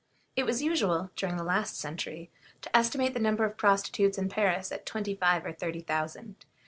It was usual, during the last century, to estimate the number of prostitutes in Paris at twenty five or thirty thousand.